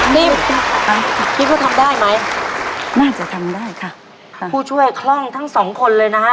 นี่คิดว่าทำได้ไหมน่าจะทำได้ค่ะค่ะผู้ช่วยคล่องทั้งสองคนเลยนะฮะ